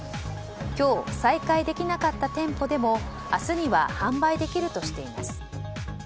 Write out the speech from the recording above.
今日再開できなかった店舗でも明日には販売できるとしています。